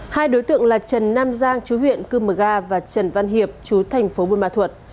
hai đối tượng là trần nam giang chú huyện cư mờ ga và trần văn hiệp chú thành phố buôn ma thuột